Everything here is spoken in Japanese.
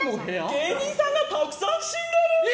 芸人さんがたくさん死んでるんです。